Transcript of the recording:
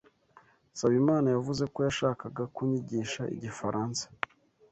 Nsabimana yavuze ko yashakaga kunyigisha igifaransa.